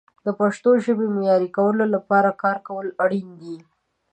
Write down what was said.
د پښتو ژبې معیاري کولو لپاره کار کول اړین دي.